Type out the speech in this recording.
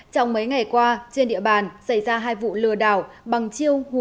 trong mấy ngày qua trên địa bàn xảy ra hai vụ lừa đảo bằng chiêu